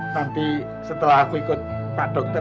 nanti setelah aku ikut pak dokter